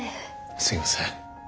すいません。